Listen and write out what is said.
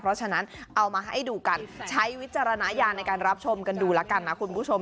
เพราะฉะนั้นเอามาให้ดูกันใช้วิจารณญาณในการรับชมกันดูแล้วกันนะคุณผู้ชม